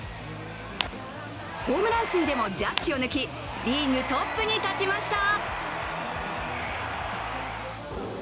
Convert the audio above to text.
ホームラン数でもジャッジを抜きリーグトップに立ちました。